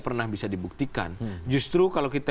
pernah bisa dibuktikan justru kalau kita